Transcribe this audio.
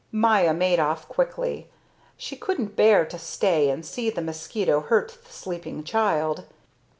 Maya made off quickly. She couldn't bear to stay and see the mosquito hurt the sleeping child.